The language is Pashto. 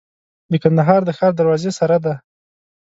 د کندهار د ښار دروازې سره دی.